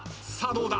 どうだ？